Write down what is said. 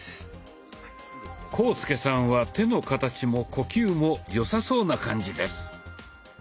浩介さんは手の形も呼吸もよさそうな感じです。